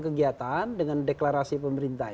kegiatan dengan deklarasi pemerintah